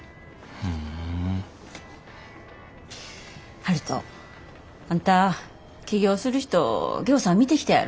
悠人あんた起業する人ぎょうさん見てきたやろ？